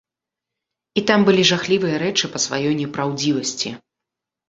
І там былі жахлівыя рэчы па сваёй непраўдзівасці.